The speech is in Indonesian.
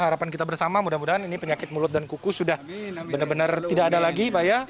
harapan kita bersama mudah mudahan ini penyakit mulut dan kuku sudah benar benar tidak ada lagi pak ya